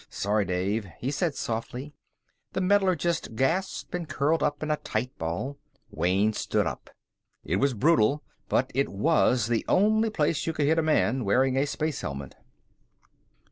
"Sorry, Dave," he said softly. The metallurgist gasped and curled up in a tight ball. Wayne stood up. It was brutal, but it was the only place you could hit a man wearing a space helmet.